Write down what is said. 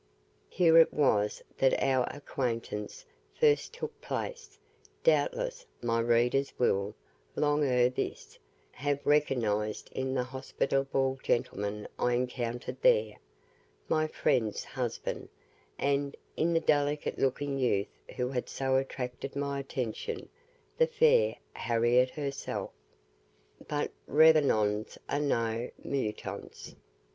Here it was that our acquaintance first took place; doubtless, my readers will, long ere this, have recognized in the hospitable gentleman I encountered there, my friend's husband, and, in the delicate looking youth who had so attracted my attention, the fair Harriette herself. But REVENONS A NOS MOUTONS.